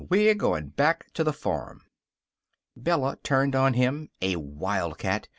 We're going back to the farm." Bella turned on him, a wildcat.